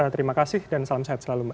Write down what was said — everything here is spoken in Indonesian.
terima kasih dan salam sehat selalu mbak